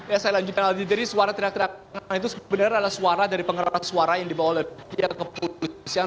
ya saya lanjutkan lagi jadi suara teriak teriak itu sebenarnya adalah suara dari pengeras suara yang dibawa oleh pihak kepolisian